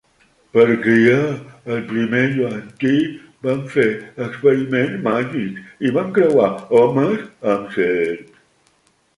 Per criar el primer yuan-ti, van fer experiments màgics i van creuar homes amb serps.